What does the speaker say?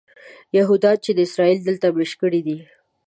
یهودیان چې اسرائیل دلته مېشت کړي دي.